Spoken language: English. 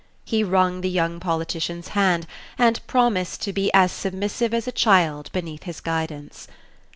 He wrung the young politician's hand, and promised to be as submissive as a child beneath his guidance.